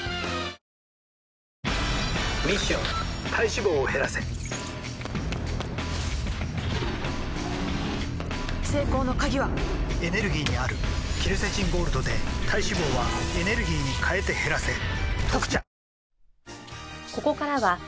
ミッション体脂肪を減らせ成功の鍵はエネルギーにあるケルセチンゴールドで体脂肪はエネルギーに変えて減らせ「特茶」